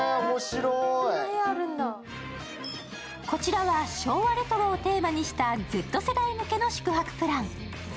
こちらは昭和レトロをテーマにしたＺ世代向けの宿泊プラン。